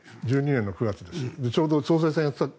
１２年９月です。